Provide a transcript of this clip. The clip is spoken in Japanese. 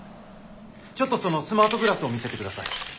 ちょっとそのスマートグラスを見せてください。